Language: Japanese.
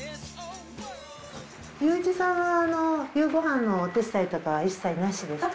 雄一さんは夕ご飯のお手伝いとかは一切なしですか？